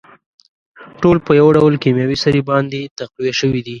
ټول په يوه ډول کيمياوي سرې باندې تقويه شوي دي.